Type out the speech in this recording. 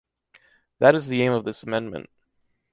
That is the aim of this amendment.